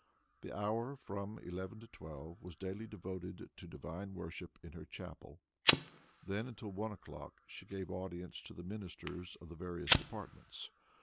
The hour, from eleven to twelve, was daily devoted to divine worship in her chapel. Then, until one o'clock, she gave audience to the ministers of the various departments.